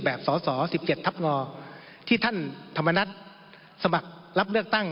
สส๑๗ทับงที่ท่านธรรมนัฐสมัครรับเลือกตั้ง